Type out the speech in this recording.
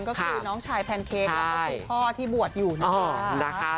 ก็คือน้องชายแพนเค้กก็คือพ่อที่บวชอยู่นะคะ